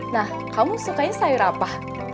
nah kamu sukanya sayur apa